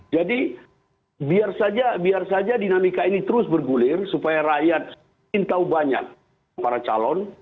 jadi biar saja dinamika ini terus bergulir supaya rakyat pintau banyak para calon